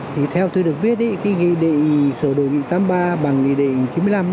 thì theo tôi được biết cái nghị định sửa đổi nghị tám mươi ba bằng nghị định chín mươi năm